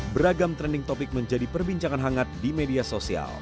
beragam trending topic menjadi perbincangan hangat di media sosial